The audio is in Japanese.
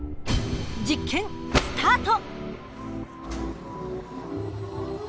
実験スタート！